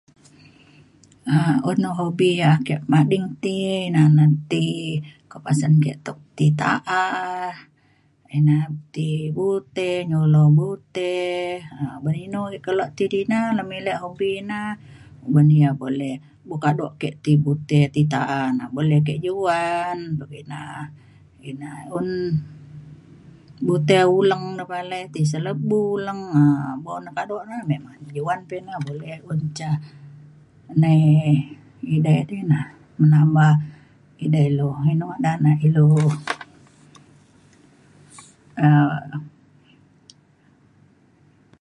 um un na hobi yak ake mading ti ina na ti kuak pasen tuk ke ti ta’a ina ti bute nyulo bute um ban inu ke kelo ti di na lemilek hobi na ban ia’ boleh buk kado ke ti bute ti ta’a na boleh ke juan kina. ina un bute uleng ne palai ti se le uleng. buk na kado na memang juan pa ina boleh un ca nai edei di na nambah edei lu, inu ngadan na ilu um